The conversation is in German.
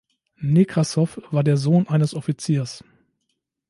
Nekrassow war der Sohn eines Offiziers.